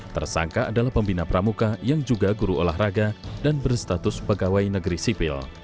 tersangka adalah pembina pramuka yang juga guru olahraga dan berstatus pegawai negeri sipil